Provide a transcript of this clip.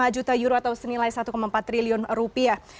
lima juta euro atau senilai satu empat triliun rupiah